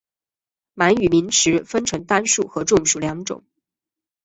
满语名词分成单数和众数两种。